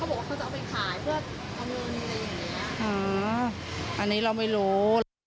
เขาบอกว่าเขาจะเอาไปขายเพื่ออ๋ออันนี้เราไม่รู้